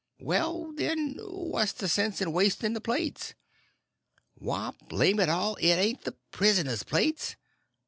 "Well, then, what's the sense in wasting the plates?" "Why, blame it all, it ain't the prisoner's plates."